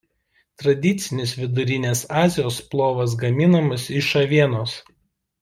Tradicinis Vidurinės Azijos plovas gaminamas iš avienos.